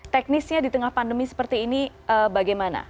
teknisnya di tengah pandemi seperti ini bagaimana